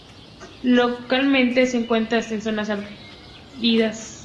Localmente se encuentra hasta en zonas áridas.